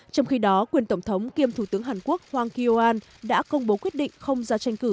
trong khi đó quyền tổng thống kiêm thủ tướng hàn quốc hwang kyo an đã công bố quyết định không ra tranh cử